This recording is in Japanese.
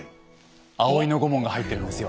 葵のご紋が入ってるんですよ。